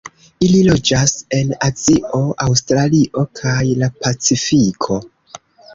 Ili loĝas en Azio, Aŭstralio kaj la Pacifiko.